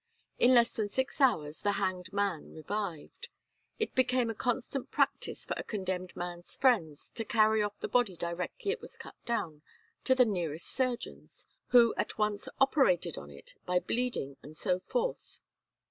In less than six hours the hanged man revived. It became a constant practice for a condemned man's friends to carry off the body directly it was cut down to the nearest surgeon's, who at once operated on it by bleeding, and so forth.